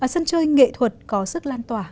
sân chơi nghệ thuật có sức lan tỏa